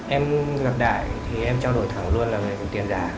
em gặp đại thì em trao đổi thảo luôn là về tiền giả